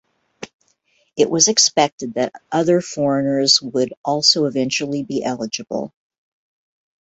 It was expected that other foreigners would also eventually be eligible.